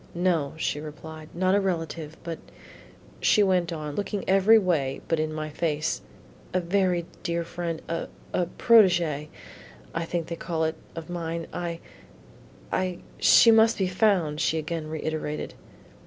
"No," she replied, "not a relative, but," she went on, looking every way but in my face, "a very dear friend a a protegee, I think they call it, of mine; I I She must be found," she again reiterated.